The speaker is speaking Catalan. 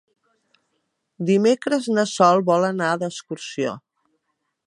Dimecres na Sol vol anar d'excursió.